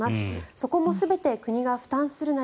そこも全て国が負担するなり